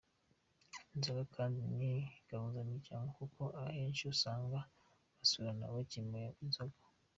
Inzoga kandi ni gahuzamiryango kuko ahenshi usanga basurana bagemuye inzoga.